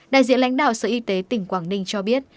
đại diện lãnh đạo sở y tế tỉnh quảng ninh cho biết